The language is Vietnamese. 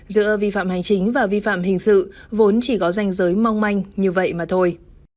giữa vi phạm hành chính và vi phạm hình sự vốn chỉ có danh giới mong manh như vậy mà thôi